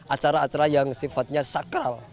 acara acara yang sifatnya sakral